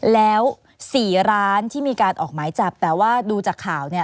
แล้ว๔ร้านที่มีการออกหมายจับแต่ว่าดูจากข่าวเนี่ย